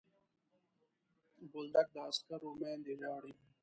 بولدک د عسکرو میندې ژاړي.